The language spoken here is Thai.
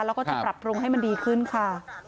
แล้วก็จะปรับปรุงให้มันดีขึ้นค่ะ